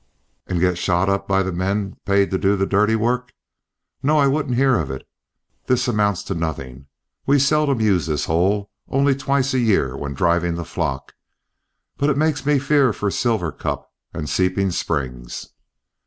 "And get shot up by the men paid to do the dirty work. No. I won't hear of it. This amounts to nothing; we seldom use this hole, only twice a year when driving the flock. But it makes me fear for Silver Cup and Seeping Springs."